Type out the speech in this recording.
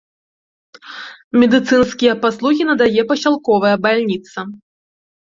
Медыцынскія паслугі надае пасялковая бальніца.